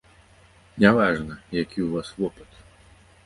Не важна, які ў вас вопыт.